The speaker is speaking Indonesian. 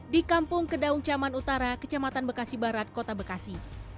di kampung kedaung caman utara kecamatan bekasi barat kota bekasi